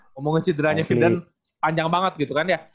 ngomongin cedera nya vildan panjang banget gitu kan ya